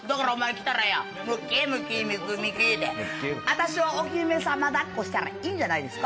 私をお姫さま抱っこしたらいいんじゃないですか？